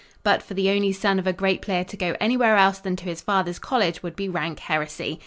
But for the only son of a great player to go anywhere else than to his father's college would be rank heresy.